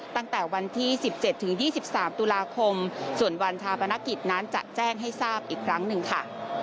ตั้งแต่วันที่๑๗ถึง๒๓ตุลาคมส่วนวันชาปนกิจนั้นจะแจ้งให้ทราบอีกครั้งหนึ่งค่ะ